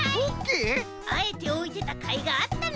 あえておいてたかいがあったな。